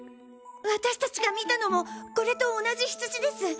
私たちが見たのもこれと同じヒツジです！